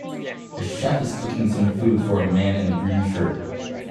A chef is cooking some food for a man in a green shirt